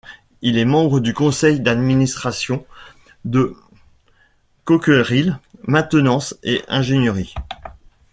Il est membre du conseil d'administration de Cockerill Maintenance & Ingénierie.